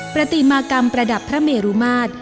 ปฏิมากรรมประดับพระเมรุมาตร